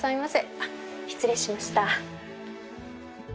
あっ失礼しました。